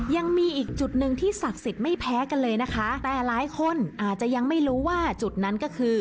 ยังมีอีกจุดหนึ่งที่ศักดิ์สิทธิ์ไม่แพ้กันเลยนะคะแต่หลายคนอาจจะยังไม่รู้ว่าจุดนั้นก็คือ